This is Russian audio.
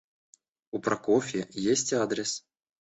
У Прокофья есть адрес.